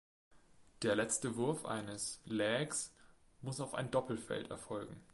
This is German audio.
Der letzte Wurf eines "Legs" muss auf ein Doppelfeld erfolgen.